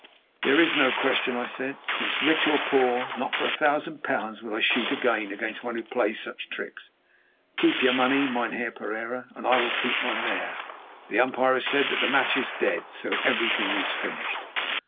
"There is no question," I said, "since, rich or poor, not for a thousand pounds would I shoot again against one who plays such tricks. Keep your money, Mynheer Pereira, and I will keep my mare. The umpire has said that the match is dead, so everything is finished."